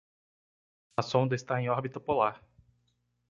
A sonda está em órbita polar